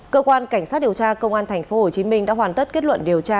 cơ quan cảnh sát điều tra công an tp hcm đã hoàn tất kết luận điều tra